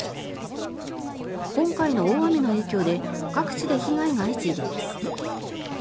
今回の大雨の影響で各地で被害が相次いでいます。